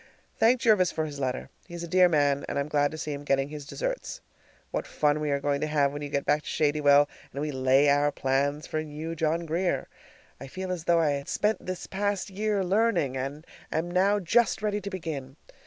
Thank Jervis for his letter. He's a dear man, and I'm glad to see him getting his deserts. What fun we are going to have when you get back to Shadywell, and we lay our plans for a new John Grier! I feel as though I had spent this past year learning, and am now just ready to begin.